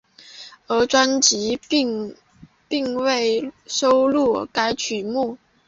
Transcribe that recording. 而专辑并未收录该曲目。